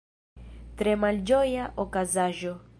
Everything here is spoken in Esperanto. Tre malĝoja okazaĵo.